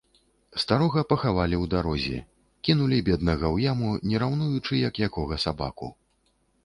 Старога пахавалі ў дарозе, кінулі, беднага, у яму, не раўнуючы, як якога сабаку.